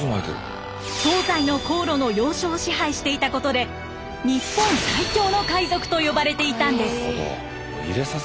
東西の航路の要所を支配していたことで日本最強の海賊と呼ばれていたんです。